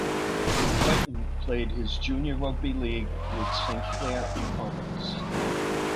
Crichton played his junior rugby league with St Clair Comets.